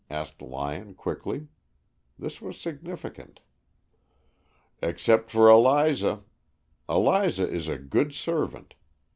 asked Lyon, quickly. This was significant. "Except for Eliza. Eliza is a good servant.